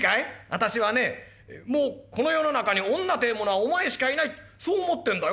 私はねもうこの世の中に女てえものはお前しかいないそう思ってんだよ。